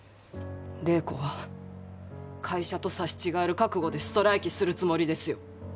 礼子は会社と刺し違える覚悟でストライキするつもりですよ。